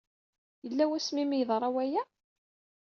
Yella wasmi ay am-yeḍra waya?